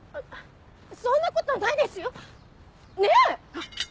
そんなことないですよねぇ！